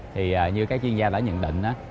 thì như các chuyên gia đã nhận định